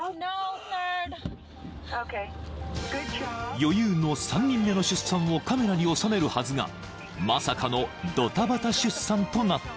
［余裕の３人目の出産をカメラに収めるはずがまさかのどたばた出産となった］